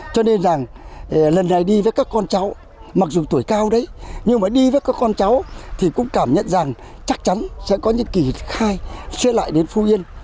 cho nên rằng lần này đi với các con cháu mặc dù tuổi cao đấy nhưng mà đi với các con cháu thì cũng cảm nhận rằng chắc chắn sẽ có những kỳ khai xua lại đến phú yên